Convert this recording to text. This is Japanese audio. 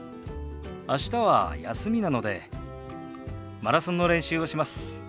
明日は休みなのでマラソンの練習をします。